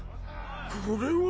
これは。